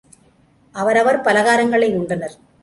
அவரவர் பலகாரங்களை உண்டனர்.